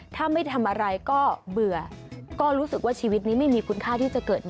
ถ้าไม่ทำอะไรก็เบื่อก็รู้สึกว่าชีวิตนี้ไม่มีคุณค่าที่จะเกิดมา